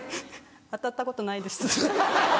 当たったことないです。